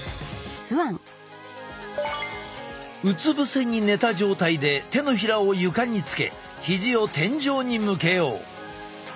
うつ伏せに寝た状態で手のひらを床につけ肘を天井に向けよう。